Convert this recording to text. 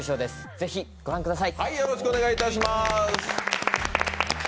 ぜひご覧ください。